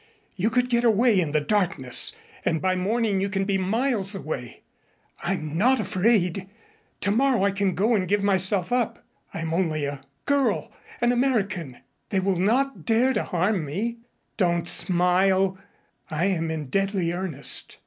You could get away in the darkness and by morning you can be miles away. I'm not afraid. Tomorrow I can go and give myself up. I am only a girl an American. They will not dare to harm me. Don't smile. I am in deadly earnest.